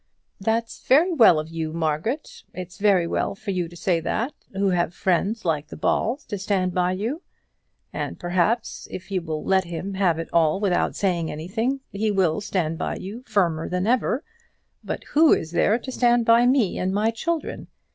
"That's very well of you, Margaret. It's very well for you to say that, who have friends like the Balls to stand by you. And, perhaps, if you will let him have it all without saying anything, he will stand by you firmer than ever. But who is there to stand by me and my children?